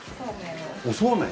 おそうめん？